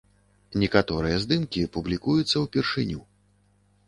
Некаторыя здымкі публікуюцца ўпершыню.